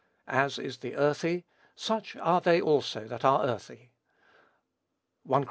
"As is the earthy, such are they also that are earthy." (1 Cor.